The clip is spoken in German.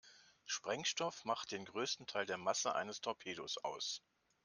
Sprengstoff macht den größten Teil der Masse eines Torpedos aus.